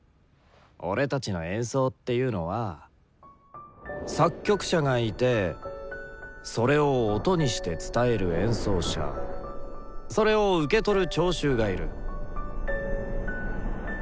俺たちの演奏っていうのは作曲者がいてそれを「音」にして伝える演奏者それを受け取る聴衆がいる。